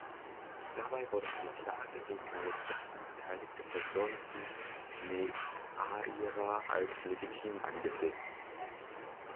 Dabei wurde eine Klage gegen eine dritte, unbeteiligte Person wie Neaira als legitim angesehen.